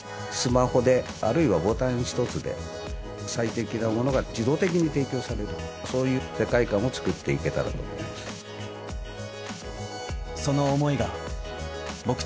スマホであるいはボタン一つで最適なものが自動的に提供されるそういう世界観を作っていけたらと思います